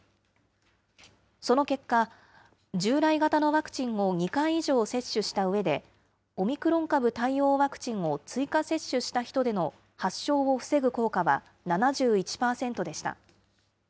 その結果、従来型のワクチンを２回以上接種したうえで、オミクロン株対応ワクチンを追加接種した人での発症を防ぐ効果は７１％でした。